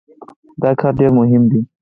دا کار ډېر مهم دی.